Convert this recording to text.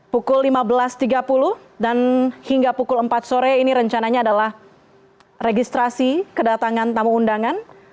pukul lima belas tiga puluh dan hingga pukul empat sore ini rencananya adalah registrasi kedatangan tamu undangan